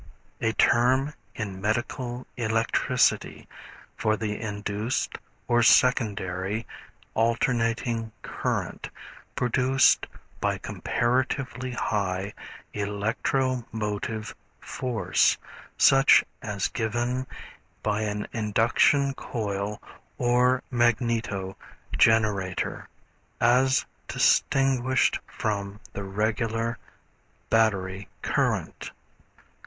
A term in medical electricity for the induced or secondary alternating current, produced by comparatively high electro motive force, such as given by an induction coil or magneto generator, as distinguished from the regular battery current.